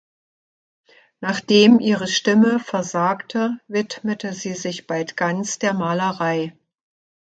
Nachdem ihre Stimme versagte, widmete sie sich bald ganz der Malerei.